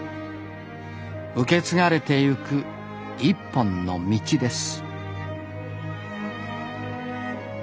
受け継がれてゆく一本の道です